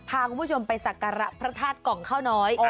พาคุณผู้ชมไปสักการะพระธาตุกล่องข้าวน้อย